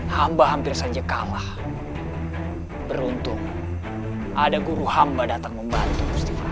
hamba hampir saja kalah beruntung ada guru hamba datang membantu